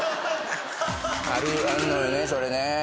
あるのよねそれね。